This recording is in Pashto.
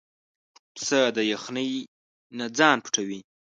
پسه د یخنۍ نه ځان پټوي.